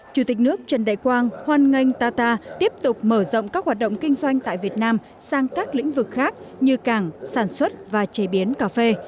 chủ tịch nước trần đại quang hoan nghênh tata tiếp tục mở rộng các hoạt động kinh doanh tại việt nam sang các lĩnh vực khác như cảng sản xuất và chế biến cà phê